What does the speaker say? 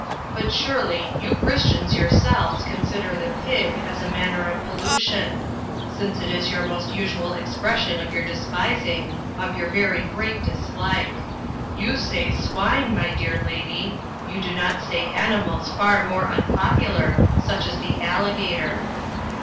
But, surely, you Christians yourselves consider the pig as a manner of pollution ; since it is your most usual expression of your de spising, of your very great dislike. You say 'swine/ my dear lady ; you do not say animals far more unpop ular, such as the alligator."